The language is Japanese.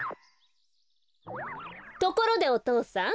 ところでおとうさん。